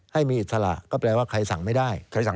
ให้มีอิสระก็แปลว่าใครสั่งไม่ได้